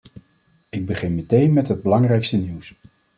Ik begin meteen met het belangrijkste nieuws.